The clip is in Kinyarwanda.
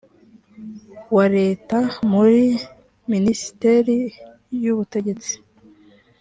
wa leta muri minisiteri y ubutegetsi